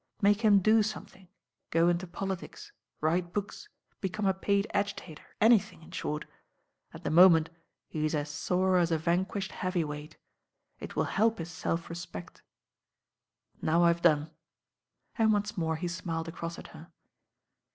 Make him do some thing, go into politics, write books, become a paid agitator, anything, in short. At the moment he's as sore as a vanquished heavy weight. It will help his self respect. Now I've done," and once more he smiled across at her.